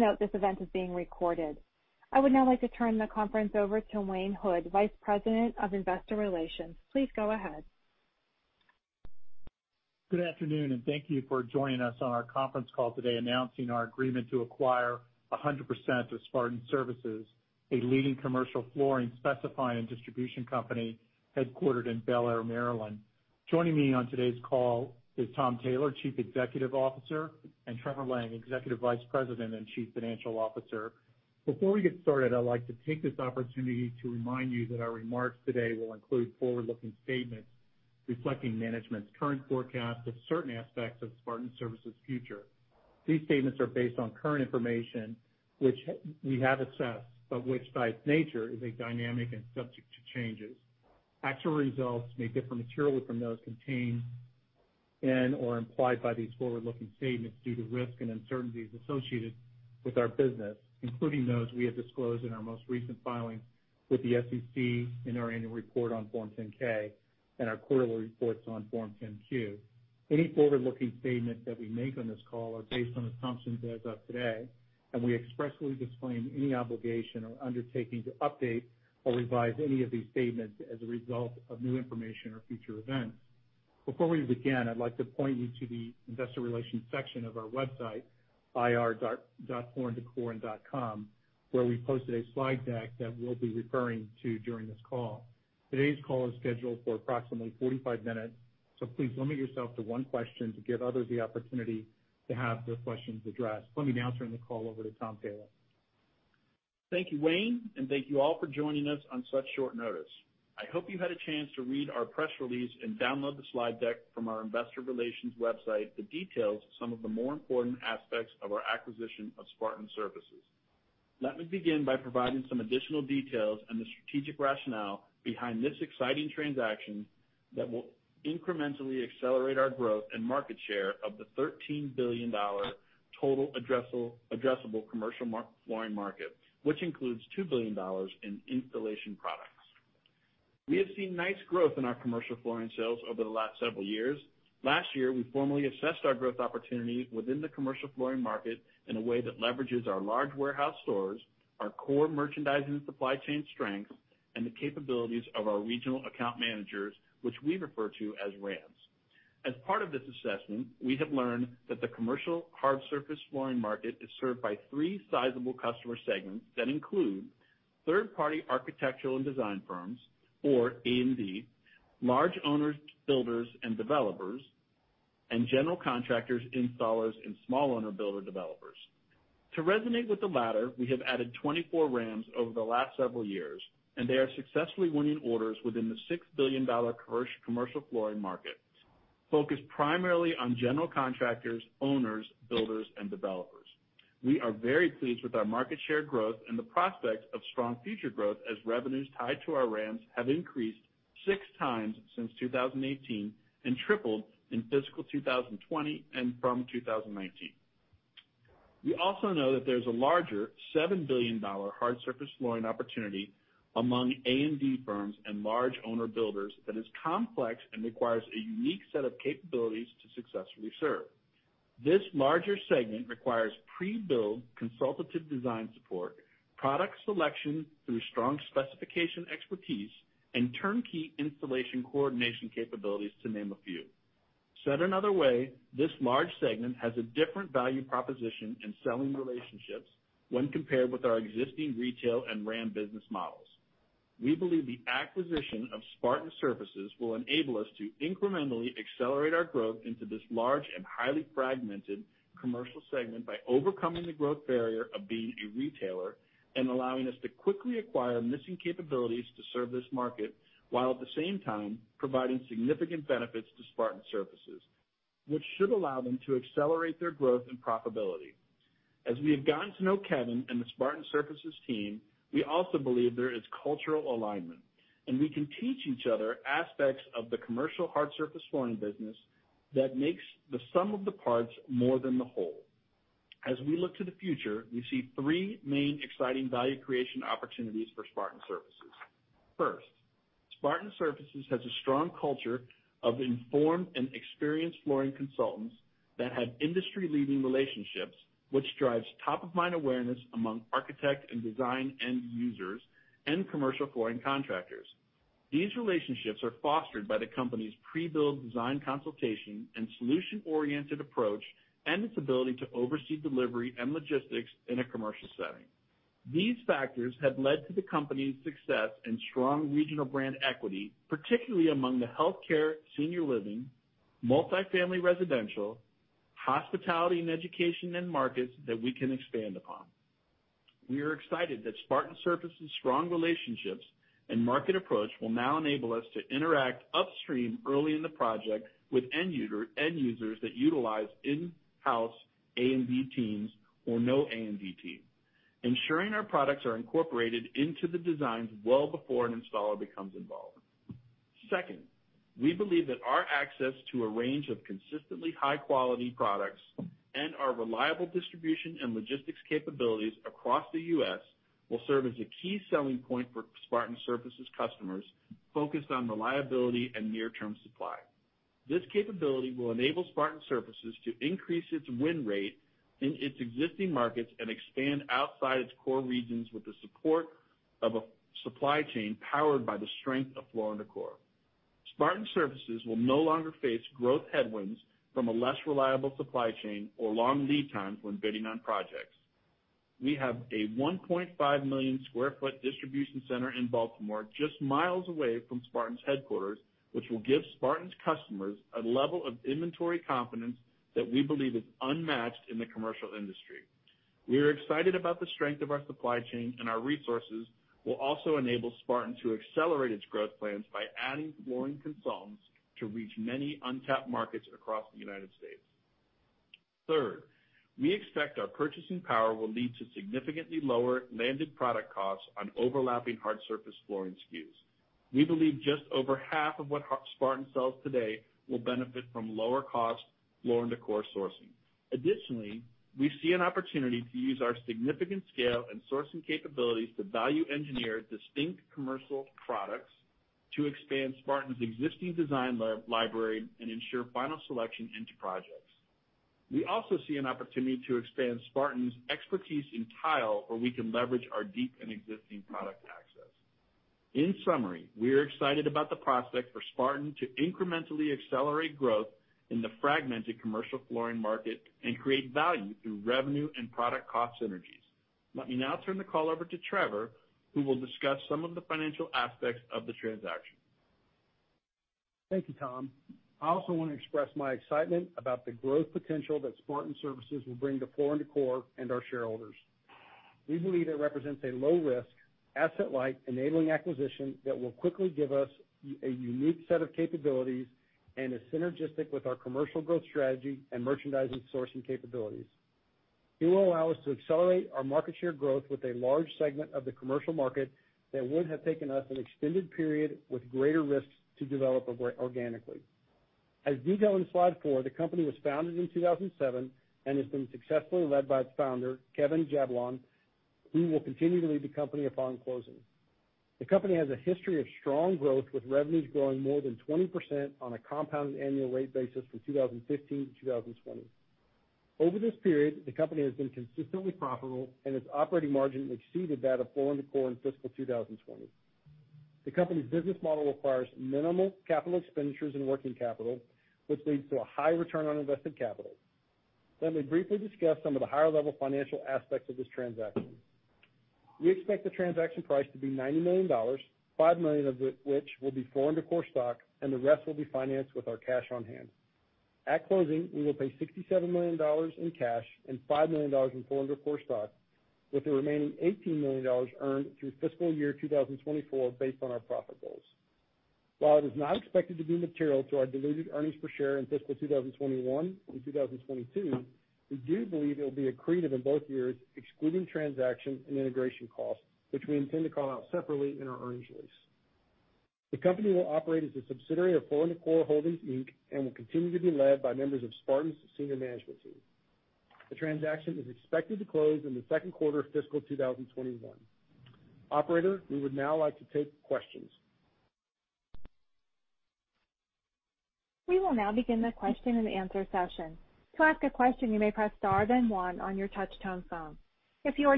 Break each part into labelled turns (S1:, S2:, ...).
S1: Note this event is being recorded. I would now like to turn the conference over to Wayne Hood, Vice President of Investor Relations. Please go ahead.
S2: Good afternoon, thank you for joining us on our conference call today announcing our agreement to acquire 100% of Spartan Surfaces, a leading commercial flooring specifying and distribution company headquartered in Bel Air, Maryland. Joining me on today's call is Tom Taylor, Chief Executive Officer, and Trevor Lang, Executive Vice President and Chief Financial Officer. Before we get started, I'd like to take this opportunity to remind you that our remarks today will include forward-looking statements reflecting management's current forecast of certain aspects of Spartan Surfaces' future. These statements are based on current information which we have assessed, but which by its nature is dynamic and subject to changes. Actual results may differ materially from those contained in or implied by these forward-looking statements due to risks and uncertainties associated with our business, including those we have disclosed in our most recent filings with the SEC in our annual report on Form 10-K and our quarterly reports on Form 10-Q. Any forward-looking statements that we make on this call are based on assumptions as of today, and we expressly disclaim any obligation or undertaking to update or revise any of these statements as a result of new information or future events. Before we begin, I'd like to point you to the investor relations section of our website, ir.flooranddecor.com, where we posted a slide deck that we'll be referring to during this call. Today's call is scheduled for approximately 45 minutes, so please limit yourself to one question to give others the opportunity to have their questions addressed. Let me now turn the call over to Tom Taylor.
S3: Thank you, Wayne, and thank you all for joining us on such short notice. I hope you had a chance to read our press release and download the slide deck from our investor relations website that details some of the more important aspects of our acquisition of Spartan Surfaces. Let me begin by providing some additional details on the strategic rationale behind this exciting transaction that will incrementally accelerate our growth and market share of the $13 billion total addressable commercial flooring market, which includes $2 billion in installation products. We have seen nice growth in our commercial flooring sales over the last several years. Last year, we formally assessed our growth opportunities within the commercial flooring market in a way that leverages our large warehouse stores, our core merchandising and supply chain strengths, and the capabilities of our regional account managers, which we refer to as RAMs. As part of this assessment, we have learned that the commercial hard surface flooring market is served by three sizable customer segments that include third-party architectural and design firms, or A&D, large owner builders and developers, and general contractors, installers, and small owner builder developers. To resonate with the latter, we have added 24 RAMs over the last several years, and they are successfully winning orders within the $6 billion commercial flooring market, focused primarily on general contractors, owners, builders, and developers. We are very pleased with our market share growth and the prospects of strong future growth as revenues tied to our RAMs have increased 6 times since 2018 and tripled in fiscal 2020 and from 2019. We also know that there's a larger $7 billion hard surface flooring opportunity among A&D firms and large owner builders that is complex and requires a unique set of capabilities to successfully serve. This larger segment requires pre-build consultative design support, product selection through strong specification expertise, and turnkey installation coordination capabilities, to name a few. Said another way, this large segment has a different value proposition and selling relationships when compared with our existing retail and RAM business models. We believe the acquisition of Spartan Surfaces will enable us to incrementally accelerate our growth into this large and highly fragmented commercial segment by overcoming the growth barrier of being a retailer and allowing us to quickly acquire missing capabilities to serve this market, while at the same time providing significant benefits to Spartan Surfaces, which should allow them to accelerate their growth and profitability. As we have gotten to know Kevin and the Spartan Surfaces team, we also believe there is cultural alignment, and we can teach each other aspects of the commercial hard surface flooring business that makes the sum of the parts more than the whole. As we look to the future, we see three main exciting value creation opportunities for Spartan Surfaces. First, Spartan Surfaces has a strong culture of informed and experienced flooring consultants that have industry-leading relationships, which drives top-of-mind awareness among architect and design end users and commercial flooring contractors. These relationships are fostered by the company's pre-build design consultation and solution-oriented approach and its ability to oversee delivery and logistics in a commercial setting. These factors have led to the company's success and strong regional brand equity, particularly among the healthcare, senior living, multi-family residential, hospitality, and education end markets that we can expand upon. We are excited that Spartan Surfaces' strong relationships and market approach will now enable us to interact upstream early in the project with end users that utilize in-house A&D teams or no A&D team, ensuring our products are incorporated into the designs well before an installer becomes involved. Second, we believe that our access to a range of consistently high-quality products and our reliable distribution and logistics capabilities across the U.S. will serve as a key selling point for Spartan Surfaces customers focused on reliability and near-term supply. This capability will enable Spartan Surfaces to increase its win rate in its existing markets and expand outside its core regions with the support of a supply chain powered by the strength of Floor & Decor. Spartan Surfaces will no longer face growth headwinds from a less reliable supply chain or long lead times when bidding on projects. We have a 1.5 million sq ft distribution center in Baltimore, just miles away from Spartan's headquarters, which will give Spartan's customers a level of inventory confidence that we believe is unmatched in the commercial industry. Our resources will also enable Spartan to accelerate its growth plans by adding flooring consultants to reach many untapped markets across the United States. Third, we expect our purchasing power will lead to significantly lower landed product costs on overlapping hard surface flooring SKUs. We believe just over half of what Spartan sells today will benefit from lower cost Floor & Decor sourcing. Additionally, we see an opportunity to use our significant scale and sourcing capabilities to value-engineer distinct commercial products to expand Spartan's existing design library and ensure final selection into projects. We also see an opportunity to expand Spartan's expertise in tile, where we can leverage our deep and existing product access. In summary, we are excited about the prospect for Spartan to incrementally accelerate growth in the fragmented commercial flooring market and create value through revenue and product cost synergies. Let me now turn the call over to Trevor, who will discuss some of the financial aspects of the transaction.
S4: Thank you, Tom. I also want to express my excitement about the growth potential that Spartan Surfaces will bring to Floor & Decor and our shareholders. We believe it represents a low risk, asset-light, enabling acquisition that will quickly give us a unique set of capabilities and is synergistic with our commercial growth strategy and merchandising sourcing capabilities. It will allow us to accelerate our market share growth with a large segment of the commercial market that would have taken us an extended period with greater risks to develop organically. As detailed in Slide four, the company was founded in 2007 and has been successfully led by its founder, Kevin Jablon, who will continue to lead the company upon closing. The company has a history of strong growth, with revenues growing more than 20% on a compounded annual rate basis from 2015 to 2020. Over this period, the company has been consistently profitable, and its operating margin exceeded that of Floor & Decor in fiscal 2020. The company's business model requires minimal capital expenditures and working capital, which leads to a high return on invested capital. Let me briefly discuss some of the higher-level financial aspects of this transaction. We expect the transaction price to be $90 million, $5 million of which will be Floor & Decor stock, and the rest will be financed with our cash on hand. At closing, we will pay $67 million in cash and $5 million in Floor & Decor stock, with the remaining $18 million earned through fiscal year 2024 based on our profit goals. While it is not expected to be material to our diluted earnings per share in fiscal 2021 and 2022, we do believe it'll be accretive in both years, excluding transaction and integration costs, which we intend to call out separately in our earnings release. The company will operate as a subsidiary of Floor & Decor Holdings, Inc and will continue to be led by members of Spartan's senior management team. The transaction is expected to close in the Q2 of fiscal 2021. Operator, we would now like to take questions.
S1: The first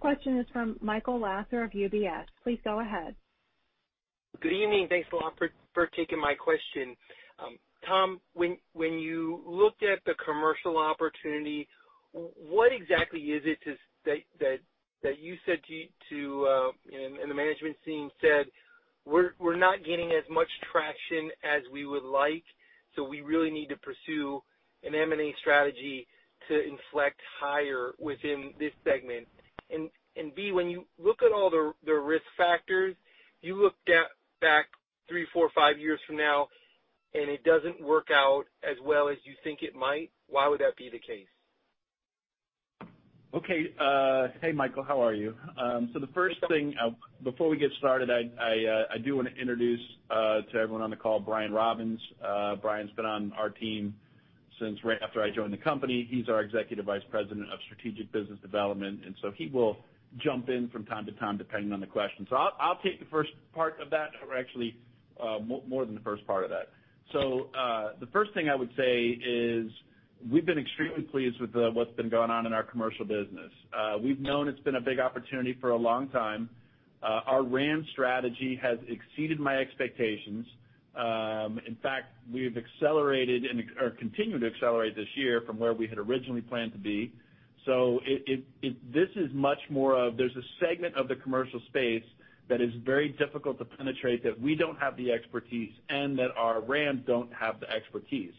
S1: question is from Michael Lasser of UBS. Please go ahead.
S5: Good evening. Thanks a lot for taking my question. Tom, when you looked at the commercial opportunity, what exactly is it that you said and the management team said, "We're not getting as much traction as we would like, so we really need to pursue an M&A strategy to inflect higher within this segment"? B, when you look at all the risk factors, you look back three, four, five years from now, and it doesn't work out as well as you think it might, why would that be the case?
S3: Hey, Michael, how are you? The first thing, before we get started, I do want to introduce to everyone on the call Brian Robbins. Brian's been on our team since right after I joined the company. He's our Executive Vice President of Strategic Business Development, he will jump in from time to time, depending on the question. I'll take the first part of that, or actually, more than the first part of that. The first thing I would say is we've been extremely pleased with what's been going on in our commercial business. We've known it's been a big opportunity for a long time. Our RAM strategy has exceeded my expectations. In fact, we've accelerated and are continuing to accelerate this year from where we had originally planned to be. This is much more of there's a segment of the commercial space that is very difficult to penetrate, that we don't have the expertise and that our RAM don't have the expertise.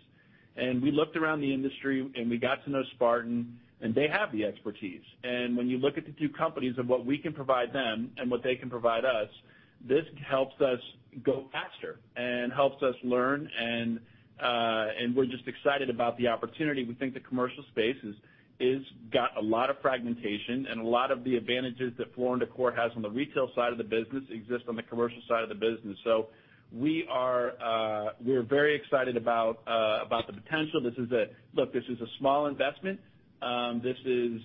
S3: We looked around the industry, and we got to know Spartan, and they have the expertise. When you look at the two companies of what we can provide them and what they can provide us, this helps us go faster and helps us learn, and we're just excited about the opportunity. We think the commercial space has got a lot of fragmentation, and a lot of the advantages that Floor & Decor has on the retail side of the business exist on the commercial side of the business. We're very excited about the potential. Look, this is a small investment. It's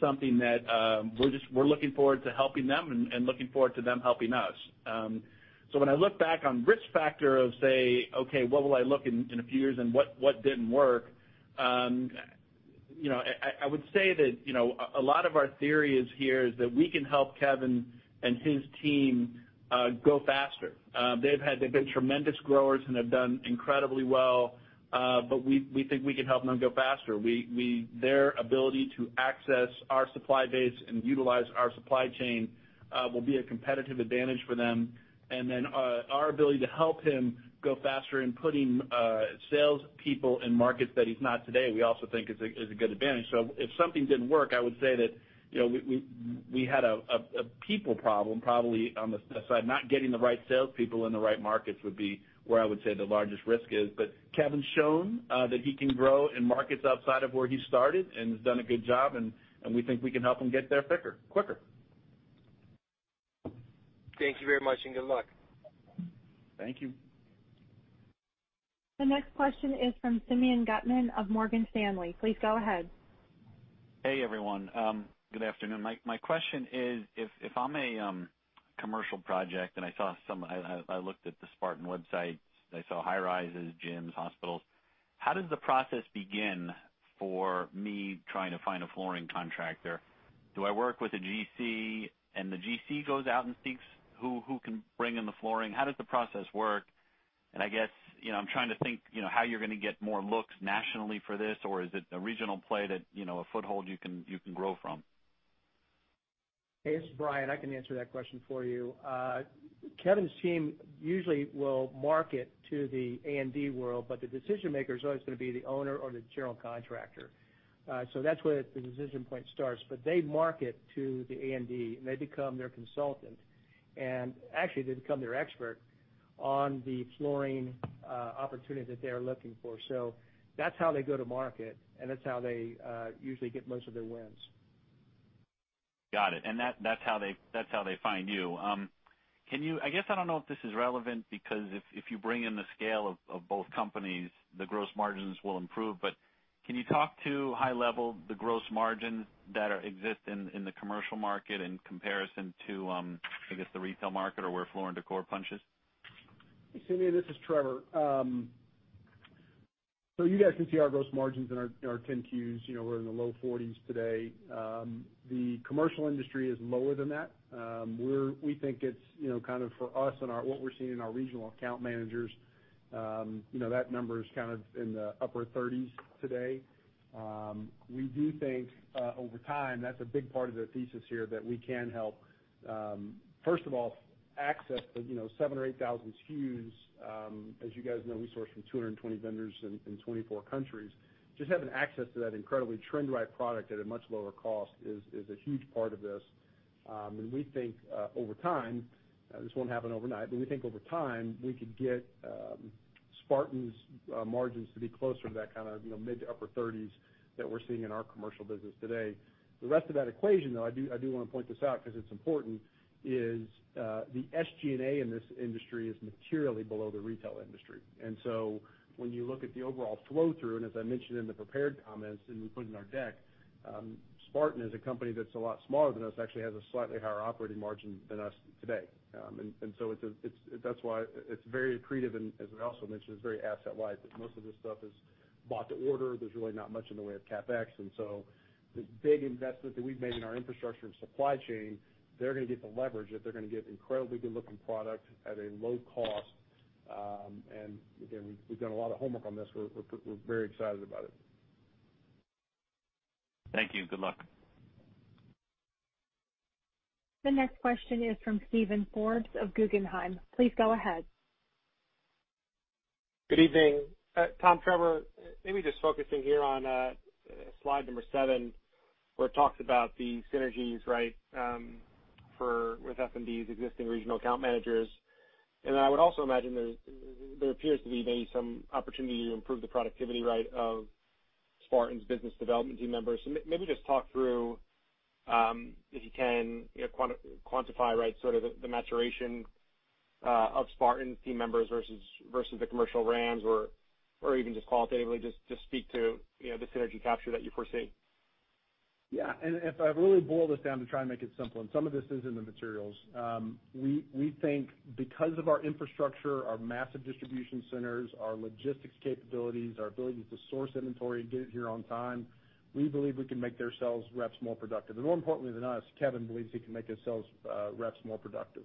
S3: something that we're looking forward to helping them and looking forward to them helping us. When I look back on risk factor of, say, "Okay, what will I look in a few years and what didn't work? I would say that a lot of our theory here is that we can help Kevin and his team go faster. They've been tremendous growers and have done incredibly well, but we think we can help them go faster. Their ability to access our supply base and utilize our supply chain will be a competitive advantage for them. Our ability to help him go faster in putting salespeople in markets that he's not today, we also think is a good advantage. If something didn't work, I would say that we had a people problem, probably on the side. Not getting the right salespeople in the right markets would be where I would say the largest risk is. Kevin's shown that he can grow in markets outside of where he started and has done a good job, and we think we can help him get there quicker.
S5: Thank you very much, and good luck.
S4: Thank you.
S1: The next question is from Simeon Gutman of Morgan Stanley. Please go ahead.
S6: Hey, everyone. Good afternoon. My question is, if I'm a commercial project and I looked at the Spartan website, I saw high-rises, gyms, hospitals. How does the process begin for me trying to find a flooring contractor? Do I work with a GC, and the GC goes out and seeks who can bring in the flooring? How does the process work? I guess, I'm trying to think how you're going to get more looks nationally for this, or is it a regional play that, a foothold you can grow from?
S7: Hey, this is Brian. I can answer that question for you. Kevin's team usually will market to the A&D world, the decision-maker's always going to be the owner or the general contractor. That's where the decision point starts. They market to the A&D, and they become their consultant. Actually, they become their expert on the flooring opportunity that they are looking for. That's how they go to market, and that's how they usually get most of their wins.
S6: Got it. That's how they find you. I guess I don't know if this is relevant, because if you bring in the scale of both companies, the gross margins will improve. Can you talk to, high level, the gross margin that exists in the commercial market in comparison to, I guess, the retail market or where Floor & Decor punches?
S4: Simeon, this is Trevor. You guys can see our gross margins in our 10-Qs. We're in the low 40s today. The commercial industry is lower than that. We think it's kind of for us and what we're seeing in our Regional Account Managers, that number is in the upper 30s today. We do think over time, that's a big part of the thesis here, that we can help, first of all, access the 7,000 or 8,000 SKUs. As you guys know, we source from 220 vendors in 24 countries. Just having access to that incredibly trend-right product at a much lower cost is a huge part of this. This won't happen overnight, but we think over time, we could get Spartan's margins to be closer to that kind of mid to upper 30s that we're seeing in our commercial business today. The rest of that equation, though, I do want to point this out because it's important, is the SG&A in this industry is materially below the retail industry. When you look at the overall flow-through, and as I mentioned in the prepared comments and we put in our deck, Spartan is a company that's a lot smaller than us, actually has a slightly higher operating margin than us today. That's why it's very accretive, and as I also mentioned, it's very asset light. Most of this stuff is bought to order. There's really not much in the way of CapEx. The big investment that we've made in our infrastructure and supply chain, they're going to get the leverage it. They're going to get incredibly good-looking product at a low cost. Again, we've done a lot of homework on this. We're very excited about it.
S6: Thank you. Good luck.
S1: The next question is from Steven Forbes of Guggenheim. Please go ahead.
S8: Good evening. Tom, Trevor, maybe just focusing here on slide number seven, where it talks about the synergies with F&D's existing regional account managers. I would also imagine there appears to be maybe some opportunity to improve the productivity of Spartan's business development team members. Maybe just talk through if you can quantify sort of the maturation of Spartan team members versus the commercial RAMs, or even just qualitatively just speak to the synergy capture that you foresee.
S4: Yeah. If I really boil this down to try and make it simple, and some of this is in the materials. We think because of our infrastructure, our massive distribution centers, our logistics capabilities, our ability to source inventory and get it here on time, we believe we can make their sales reps more productive. More importantly than us, Kevin believes he can make his sales reps more productive.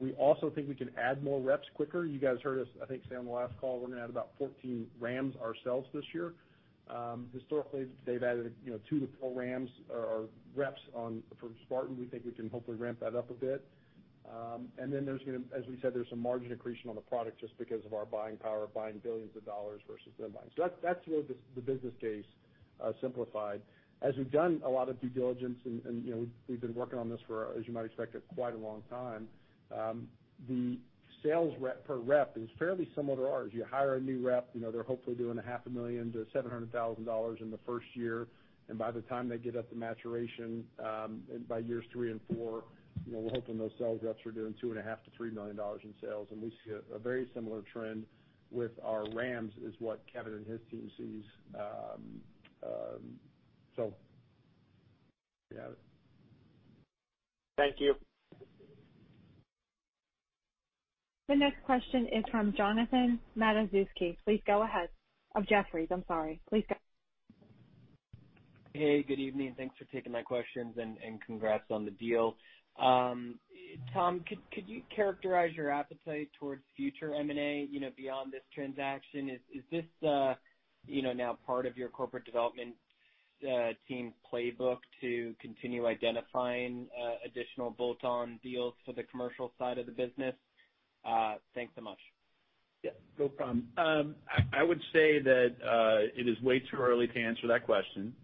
S4: We also think we can add more reps quicker. You guys heard us, I think, say on the last call, we're going to add about 14 RAMs ourselves this year. Historically, they've added two to four RAMs or reps for Spartan. We think we can hopefully ramp that up a bit. Then, as we said, there's some margin accretion on the product just because of our buying power, buying billions of dollars versus them buying. That's really the business case simplified. We've done a lot of due diligence, and we've been working on this for, as you might expect, quite a long time. The sales rep per rep is fairly similar to ours. You hire a new rep, they're hopefully doing a half a million to $700,000 in the first year. By the time they get up to maturation, by years three and four, we're hoping those sales reps are doing $2.5 million-$3 million in sales. We see a very similar trend with our RAMs as what Kevin and his team sees. There you have it.
S8: Thank you.
S1: The next question is from Jonathan Matuszewski. Please go ahead. Of Jefferies, I'm sorry. Please go ahead.
S9: Hey, good evening. Thanks for taking my questions. Congrats on the deal. Tom, could you characterize your appetite towards future M&A beyond this transaction? Is this now part of your corporate development team's playbook to continue identifying additional bolt-on deals for the commercial side of the business? Thanks so much.
S4: Yeah, go, Tom.
S3: I would say that it is way too early to answer that question.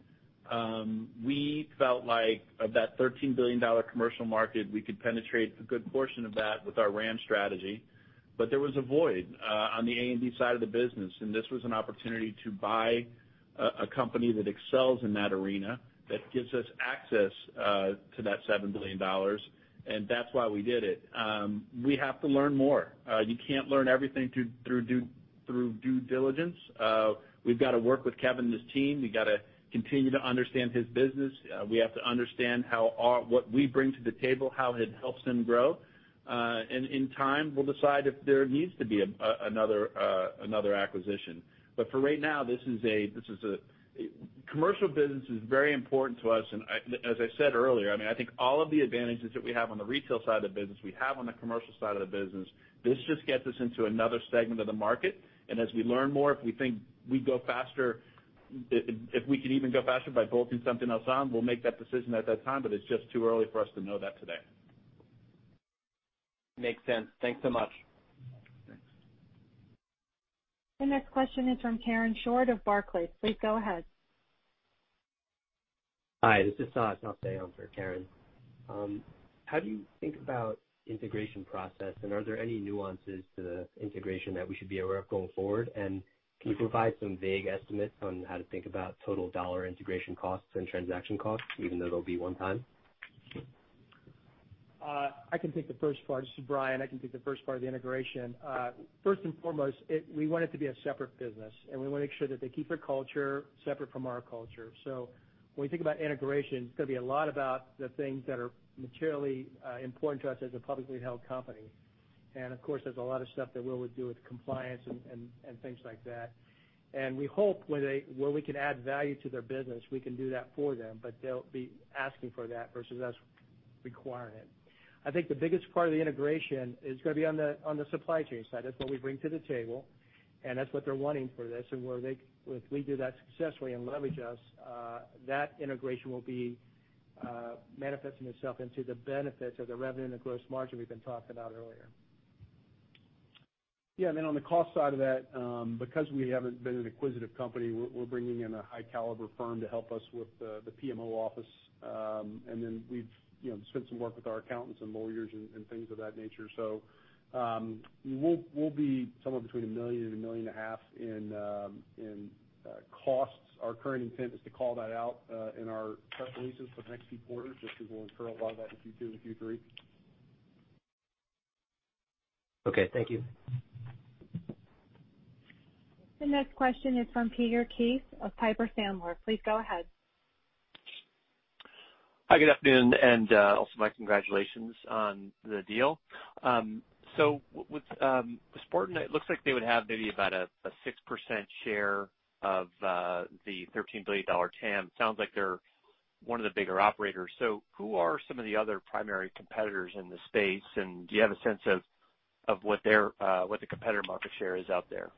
S3: We felt like of that $13 billion commercial market, we could penetrate a good portion of that with our RAM strategy. There was a void on the A&D side of the business, and this was an opportunity to buy a company that excels in that arena, that gives us access to that $7 billion, and that's why we did it. We have to learn more. You can't learn everything through due diligence. We've got to work with Kevin and his team. We've got to continue to understand his business. We have to understand what we bring to the table, how it helps them grow. In time, we'll decide if there needs to be another acquisition. For right now, commercial business is very important to us, and as I said earlier, I think all of the advantages that we have on the retail side of the business, we have on the commercial side of the business. This just gets us into another segment of the market. As we learn more, if we think we go faster, if we can even go faster by bolting something else on, we'll make that decision at that time. It's just too early for us to know that today.
S9: Makes sense. Thanks so much.
S3: Thanks.
S1: The next question is from Karen Short of Barclays. Please go ahead.
S10: Hi, this is Todd. It's not today. I'm for Karen. How do you think about integration process, and are there any nuances to the integration that we should be aware of going forward? Can you provide some vague estimates on how to think about total dollar integration costs and transaction costs, even though they'll be one time?
S7: I can take the first part. This is Brian. I can take the first part of the integration. First and foremost, we want it to be a separate business, we want to make sure that they keep their culture separate from our culture. When we think about integration, it's going to be a lot about the things that are materially important to us as a publicly held company. Of course, there's a lot of stuff that we'll do with compliance and things like that. We hope where we can add value to their business, we can do that for them, but they'll be asking for that versus us requiring it. I think the biggest part of the integration is going to be on the supply chain side. That's what we bring to the table, and that's what they're wanting for this. If we do that successfully and leverage us, that integration will be manifesting itself into the benefits of the revenue and the gross margin we've been talking about earlier.
S4: Yeah. Then on the cost side of that, because we haven't been an acquisitive company, we're bringing in a high caliber firm to help us with the PMO office. Then we've spent some work with our accountants and lawyers and things of that nature. We'll be somewhere between $1 million and $1.5 million in costs. Our current intent is to call that out in our press releases for the next few quarters, just because we'll incur a lot of that in Q2 and Q3.
S10: Okay, thank you.
S1: The next question is from Peter Keith of Piper Sandler. Please go ahead.
S11: Hi, good afternoon, and also my congratulations on the deal. With Spartan, it looks like they would have maybe about a 6% share of the $13 billion TAM. Sounds like they're one of the bigger operators. Who are some of the other primary competitors in the space, and do you have a sense of what the competitor market share is out there?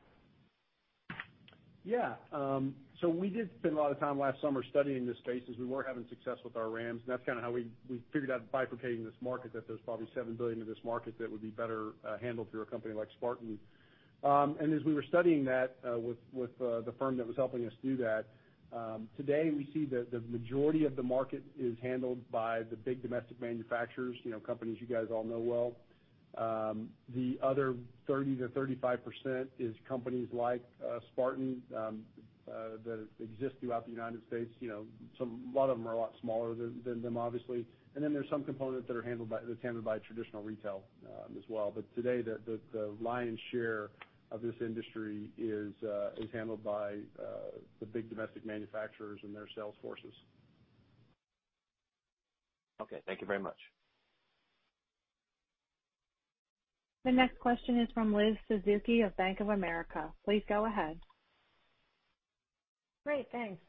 S4: We did spend a lot of time last summer studying this space as we were having success with our RAMs, and that's kind of how we figured out bifurcating this market, that there's probably $7 billion of this market that would be better handled through a company like Spartan. As we were studying that with the firm that was helping us do that, today we see that the majority of the market is handled by the big domestic manufacturers, companies you guys all know well. The other 30%-35% is companies like Spartan that exist throughout the United States. A lot of them are a lot smaller than them, obviously. Then there's some components that's handled by traditional retail as well. Today, the lion's share of this industry is handled by the big domestic manufacturers and their sales forces.
S11: Okay. Thank you very much.
S1: The next question is from Liz Suzuki of Bank of America. Please go ahead.
S12: Great, thanks.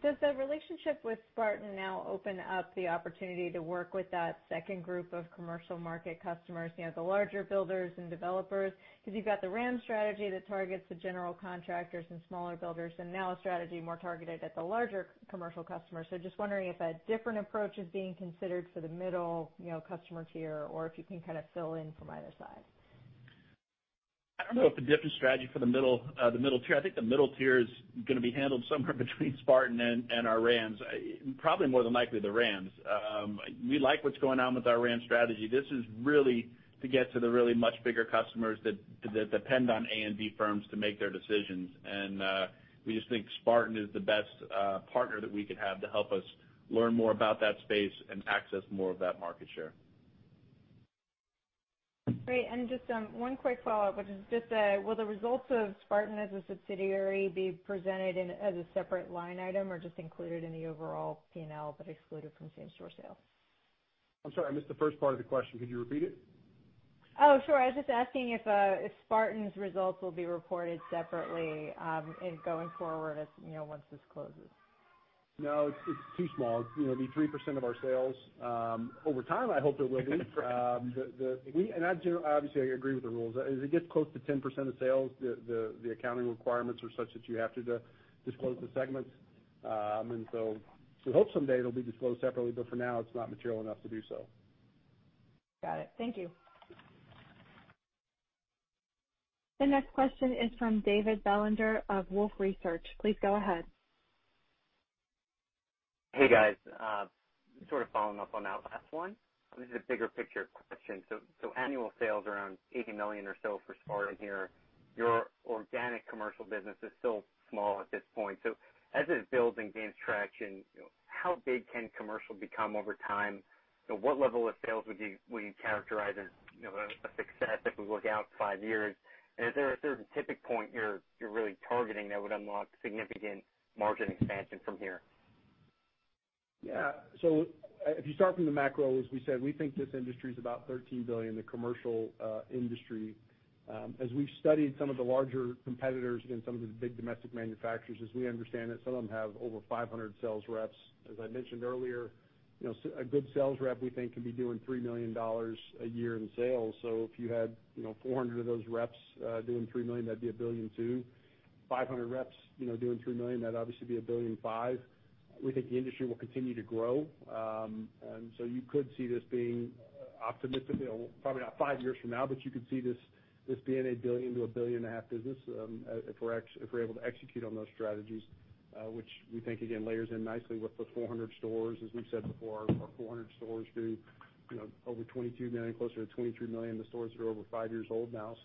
S12: Does the relationship with Spartan now open up the opportunity to work with that second group of commercial market customers, the larger builders and developers? Because you've got the RAM strategy that targets the general contractors and smaller builders, and now a strategy more targeted at the larger commercial customers. Just wondering if a different approach is being considered for the middle customer tier, or if you can kind of fill in from either side.
S3: I don't know if a different strategy for the middle tier. I think the middle tier is going to be handled somewhere between Spartan and our RAMs. Probably more than likely the RAMs. We like what's going on with our RAM strategy. This is really to get to the really much bigger customers that depend on A&D firms to make their decisions. We just think Spartan is the best partner that we could have to help us learn more about that space and access more of that market share.
S12: Great. Just one quick follow-up, which is just will the results of Spartan as a subsidiary be presented as a separate line item or just included in the overall P&L, but excluded from same-store sales?
S4: I'm sorry, I missed the first part of the question. Could you repeat it?
S12: Oh, sure. I was just asking if Spartan's results will be reported separately going forward once this closes.
S4: No, it's too small. It'd be 3% of our sales. Over time, I hope it will be. Obviously, I agree with the rules. As it gets close to 10% of sales, the accounting requirements are such that you have to disclose the segments. We hope someday it'll be disclosed separately, but for now, it's not material enough to do so.
S12: Got it. Thank you.
S1: The next question is from David Bellinger of Wolfe Research. Please go ahead.
S13: Hey, guys. Sort of following up on that last one. This is a bigger picture question. Annual sales around $80 million or so for Spartan here. Your organic commercial business is still small at this point. As it builds and gains traction, how big can commercial become over time? What level of sales would you characterize as a success if we look out five years? Is there a certain tipping point you're really targeting that would unlock significant margin expansion from here?
S4: If you start from the macro, as we said, we think this industry is about $13 billion, the commercial industry. As we've studied some of the larger competitors and some of the big domestic manufacturers, as we understand it, some of them have over 500 sales reps. As I mentioned earlier, a good sales rep, we think, can be doing $3 million a year in sales. If you had 400 of those reps doing $3 million, that'd be $1.2 billion. 500 reps doing $3 million, that'd obviously be $1.5 billion. We think the industry will continue to grow. You could see this being optimistic, probably not five years from now, but you could see this being a $1 billion to a $1.5 billion business, if we're able to execute on those strategies which we think, again, layers in nicely with the 400 stores. As we've said before, our 400 stores do over $22 million, closer to $23 million. The stores are over five years old now.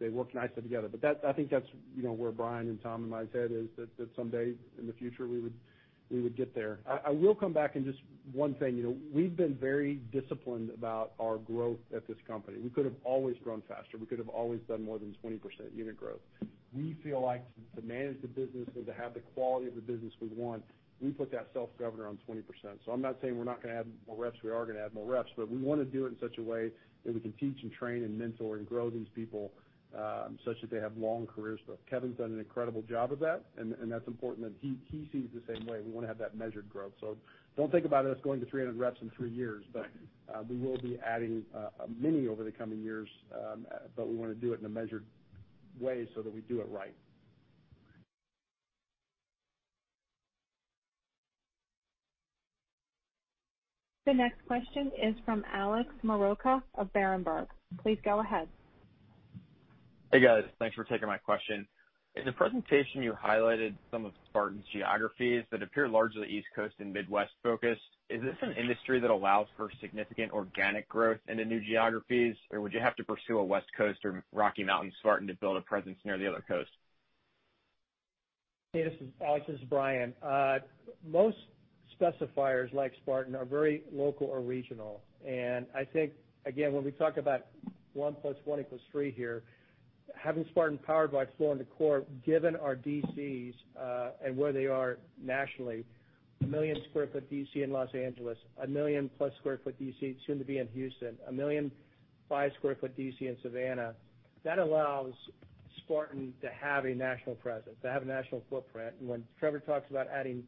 S4: They work nicely together. I think that's where Brian and Tom and my head is, that someday in the future, we would get there. I will come back and just one thing. We've been very disciplined about our growth at this company. We could have always grown faster. We could have always done more than 20% unit growth. We feel like to manage the business and to have the quality of the business we want, we put that self-governor on 20%. I'm not saying we're not going to add more reps. We are going to add more reps, but we want to do it in such a way that we can teach and train and mentor and grow these people such that they have long careers. Kevin's done an incredible job of that, and that's important that he sees the same way. We want to have that measured growth. Don't think about us going to 300 reps in three years, but we will be adding many over the coming years. We want to do it in a measured way so that we do it right.
S1: The next question is from Alex Maroccia of Berenberg. Please go ahead.
S14: Hey, guys. Thanks for taking my question. In the presentation, you highlighted some of Spartan's geographies that appear largely East Coast and Midwest focused. Is this an industry that allows for significant organic growth into new geographies, or would you have to pursue a West Coast or Rocky Mountain Spartan to build a presence near the other coast?
S7: Hey, Alex, this is Brian. Most specifiers like Spartan are very local or regional. I think, again, when we talk about one plus one equals three here, having Spartan powered by Floor & Decor, given our DCs and where they are nationally, a 1 million sq ft DC in Los Angeles, a 1 million-plus sq ft DC soon to be in Houston, a 1.5 million sq ft DC in Savannah, that allows Spartan to have a national presence, to have a national footprint. When Trevor talks about adding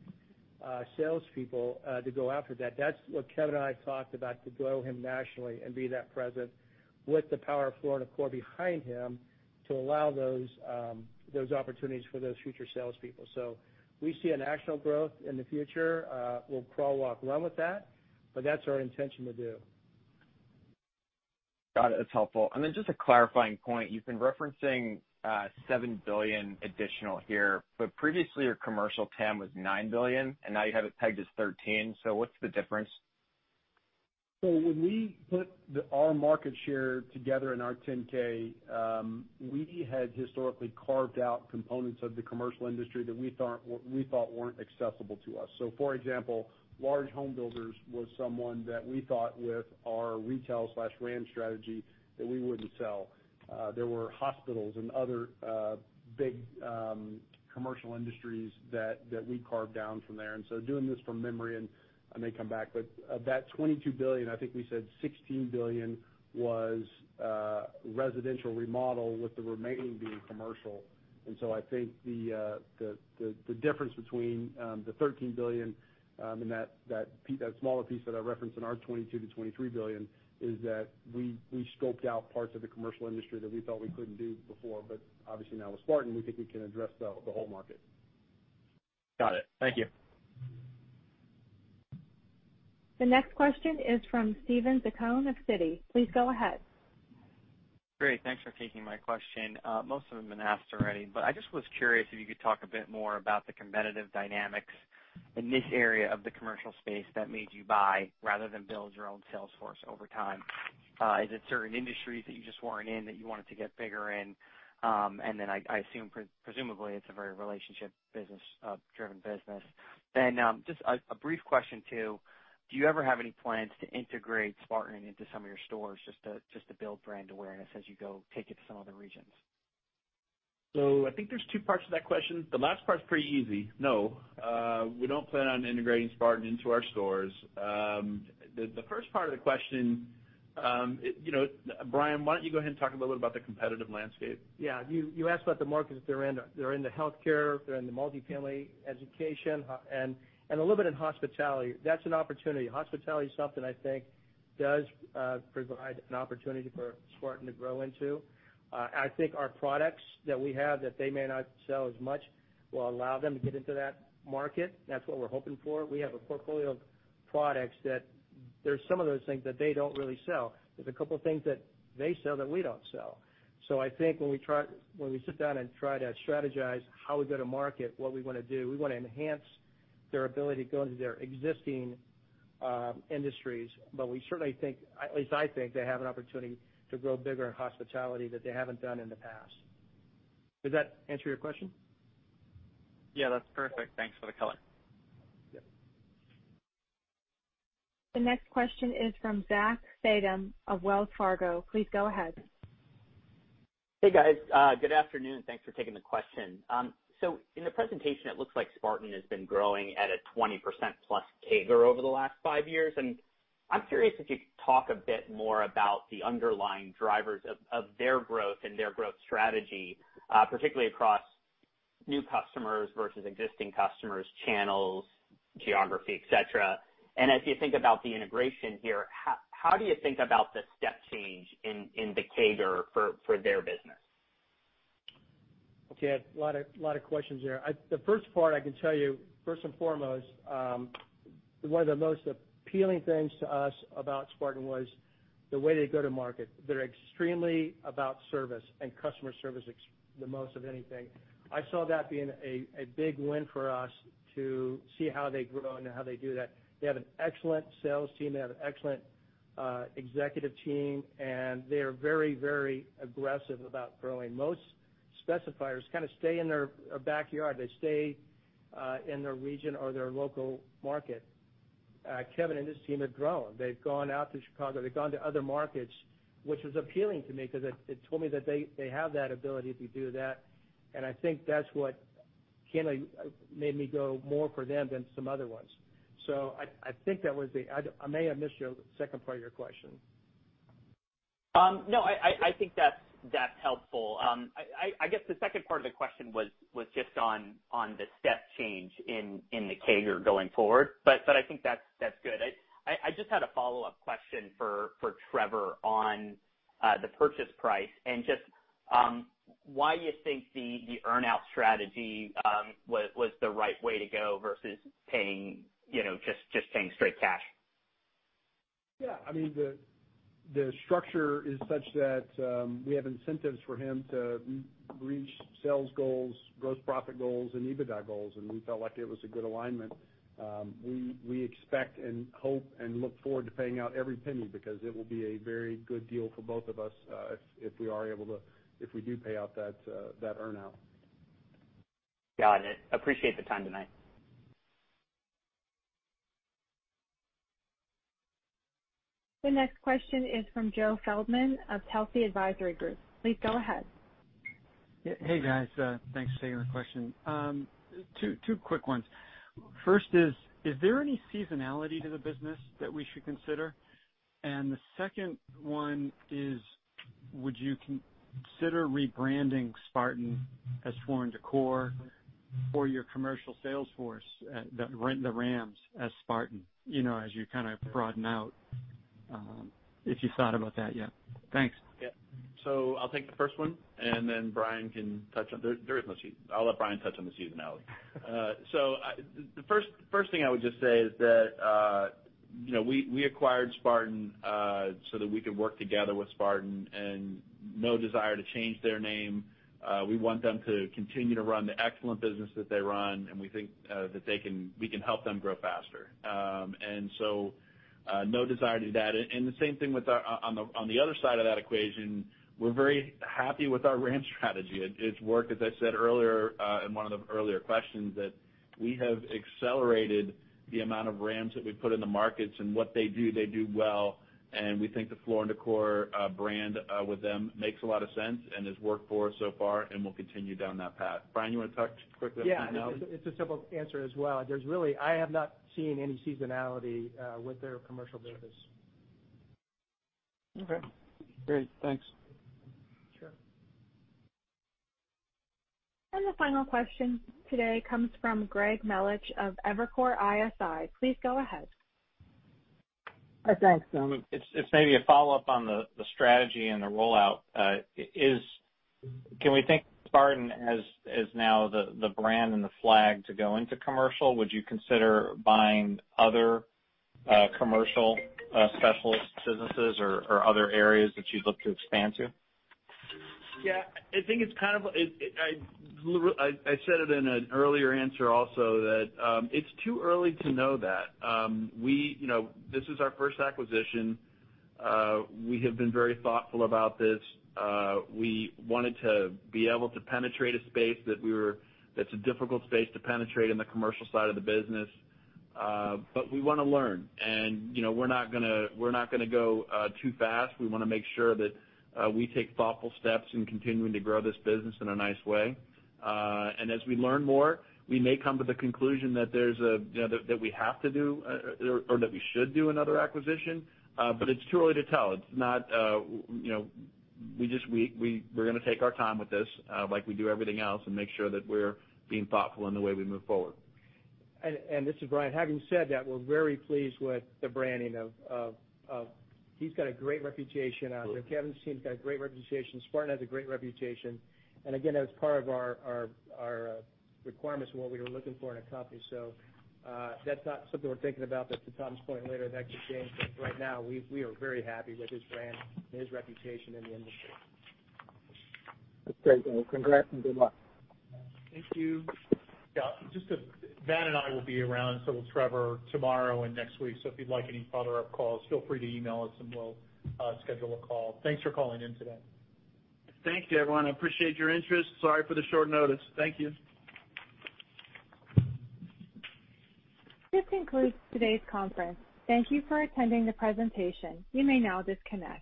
S7: salespeople to go after that's what Kevin and I talked about to grow him nationally and be that presence with the power of Floor & Decor behind him to allow those opportunities for those future salespeople. We see a national growth in the future. We'll crawl, walk, run with that, but that's our intention to do.
S14: Got it. That's helpful. Just a clarifying point. You've been referencing $7 billion additional here, but previously your commercial TAM was $9 billion, and now you have it pegged as $13 billion. What's the difference?
S4: When we put our market share together in our 10-K, we had historically carved out components of the commercial industry that we thought weren't accessible to us. For example, large home builders was someone that we thought with our retail/RAM strategy that we wouldn't sell. There were hospitals and other big commercial industries that we carved down from there. Doing this from memory, and I may come back, but of that $22 billion, I think we said $16 billion was residential remodel with the remaining being commercial. I think the difference between the $13 billion and that smaller piece that I referenced in our $22 billion-$23 billion is that we scoped out parts of the commercial industry that we felt we couldn't do before. Obviously now with Spartan, we think we can address the whole market.
S14: Got it. Thank you.
S1: The next question is from Steven Zaccone of Citi. Please go ahead.
S15: Great. Thanks for taking my question. Most of them have been asked already, but I just was curious if you could talk a bit more about the competitive dynamics in this area of the commercial space that made you buy rather than build your own sales force over time? Is it certain industries that you just weren't in that you wanted to get bigger in? I assume presumably it's a very relationship driven business. Just a brief question, too. Do you ever have any plans to integrate Spartan into some of your stores just to build brand awareness as you go take it to some other regions?
S3: I think there's two parts to that question. The last part's pretty easy. No, we don't plan on integrating Spartan into our stores. The first part of the question, Brian, why don't you go ahead and talk a little about the competitive landscape?
S7: You asked about the markets they're in. They're into healthcare, they're in the multifamily education, and a little bit in hospitality. That's an opportunity. Hospitality is something I think does provide an opportunity for Spartan to grow into. I think our products that we have, that they may not sell as much, will allow them to get into that market. That's what we're hoping for. We have a portfolio of products that there's some of those things that they don't really sell. There's a couple things that they sell that we don't sell. I think when we sit down and try to strategize how we go to market, what we want to do, we want to enhance their ability to go into their existing industries. We certainly think, at least I think, they have an opportunity to grow bigger in hospitality that they haven't done in the past. Does that answer your question?
S15: Yeah, that's perfect. Thanks for the color.
S7: Yep.
S1: The next question is from Zach Fadem of Wells Fargo. Please go ahead.
S16: Hey, guys. Good afternoon. Thanks for taking the question. In the presentation, it looks like Spartan has been growing at a 20% plus CAGR over the last five years. I'm curious if you'd talk a bit more about the underlying drivers of their growth and their growth strategy, particularly across new customers versus existing customers, channels, geography, et cetera. As you think about the integration here, how do you think about the step change in the CAGR for their business?
S7: Okay. A lot of questions there. The first part I can tell you, first and foremost, one of the most appealing things to us about Spartan was the way they go to market. They're extremely about service and customer service the most of anything. I saw that being a big win for us to see how they grow and how they do that. They have an excellent sales team, they have an excellent executive team, and they are very aggressive about growing. Most specifiers kind of stay in their backyard. They stay in their region or their local market. Kevin and his team have grown. They've gone out to Chicago, they've gone to other markets, which is appealing to me because it told me that they have that ability to do that. I think that's what kind of made me go more for them than some other ones. I think that was it. I may have missed your second part of your question.
S16: No, I think that's helpful. I guess the second part of the question was just on the step change in the CAGR going forward, but I think that's good. I just had a follow-up question for Trevor on the purchase price and just why you think the earn-out strategy was the right way to go versus just paying straight cash.
S4: Yeah. The structure is such that we have incentives for him to reach sales goals, gross profit goals, and EBITDA goals, and we felt like it was a good alignment. We expect and hope and look forward to paying out every penny because it will be a very good deal for both of us if we do pay out that earn-out.
S16: Got it. Appreciate the time tonight.
S1: The next question is from Joe Feldman of Telsey Advisory Group. Please go ahead.
S17: Hey, guys. Thanks for taking the question. Two quick ones. First, is there any seasonality to the business that we should consider? The second one is, would you consider rebranding Spartan as Floor & Decor for your commercial sales force, the RAMs as Spartan, as you kind of broaden out, if you thought about that yet. Thanks.
S3: Yeah. I'll take the first one, and then Brian can touch on the seasonality. The first thing I would just say is that we acquired Spartan so that we could work together with Spartan and no desire to change their name. We want them to continue to run the excellent business that they run, and we think that we can help them grow faster. No desire to that. The same thing on the other side of that equation, we're very happy with our RAM strategy. It's worked, as I said earlier in one of the earlier questions, that we have accelerated the amount of RAMs that we put in the markets. What they do, they do well, we think the Floor & Decor brand, with them, makes a lot of sense and has worked for us so far, we'll continue down that path. Brian, you want to talk quickly about seasonality?
S7: Yeah. It's a simple answer as well. I have not seen any seasonality with their commercial business.
S17: Okay, great. Thanks.
S7: Sure.
S1: The final question today comes from Greg Melich of Evercore ISI. Please go ahead.
S18: Thanks. It's maybe a follow-up on the strategy and the rollout. Can we think of Spartan as now the brand and the flag to go into commercial? Would you consider buying other commercial specialist businesses or other areas that you'd look to expand to?
S3: Yeah, I think I said it in an earlier answer also that it's too early to know that. This is our first acquisition. We have been very thoughtful about this. We wanted to be able to penetrate a space that's a difficult space to penetrate in the commercial side of the business. We want to learn, and we're not going to go too fast. We want to make sure that we take thoughtful steps in continuing to grow this business in a nice way. As we learn more, we may come to the conclusion that we have to do or that we should do another acquisition, but it's too early to tell. We're going to take our time with this, like we do everything else, and make sure that we're being thoughtful in the way we move forward.
S7: This is Brian. Having said that, He's got a great reputation out there. Kevin's team's got a great reputation. Spartan has a great reputation, and again, that was part of our requirements and what we were looking for in a company. That's not something we're thinking about that, to Tom's point later, that could change. Right now, we are very happy with his brand and his reputation in the industry.
S18: That's great. Well, congrats and good luck.
S7: Thank you.
S3: Yeah. Van and I will be around, and so will Trevor tomorrow and next week. If you'd like any follow-up calls, feel free to email us and we'll schedule a call. Thanks for calling in today.
S2: Thank you, everyone. I appreciate your interest. Sorry for the short notice. Thank you.
S1: This concludes today's conference. Thank you for attending the presentation. You may now disconnect.